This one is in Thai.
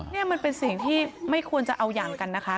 นี่มันเป็นสิ่งที่ไม่ควรจะเอาอย่างกันนะคะ